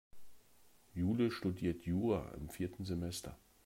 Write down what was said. Jule studiert Jura im vierten Semester.